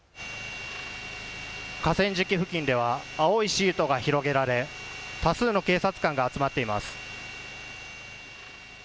河川敷付近では青いシートが広げられ多数の警察官が集まっています。